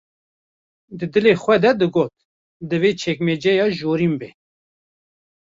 ‘’Di dilê xwe de digot: Divê çekmeceya jorîn be.